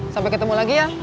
sampai ketemu lagi ya